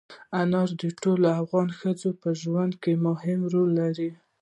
انار د ټولو افغان ښځو په ژوند کې هم یو رول لري.